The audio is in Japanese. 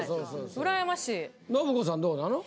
うらやましい。信子さんどうなの？